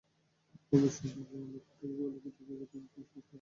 অবশ্যই আমার লক্ষ্য থাকে, ভালো কিছু করে ক্রিকেটের তিন সংস্করণেই খেলতে।